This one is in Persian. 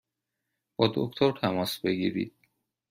با دکتر تماس بگیرید!